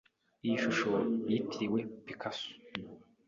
Iyi shusho yitiriwe Picasso.